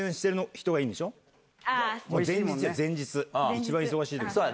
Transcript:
一番忙しいもん。